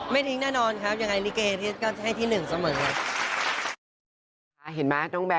ไม่ทิ้งแน่นอนครับยังไงลิเกก็ให้ที่๑เสมอครับ